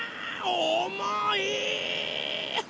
おもい！